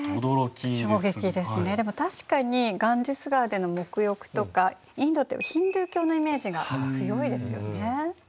でも確かにガンジス川での沐浴とかインドってヒンドゥー教のイメージが強いですよね。